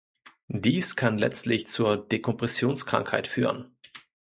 Dies kann letztlich zur Dekompressionskrankheit führen.